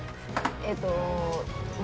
えっと何？